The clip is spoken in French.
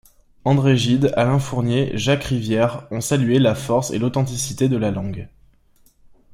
André Gide, Alain-Fournier, Jacques Rivière ont salué la force et l'authenticité de la langue.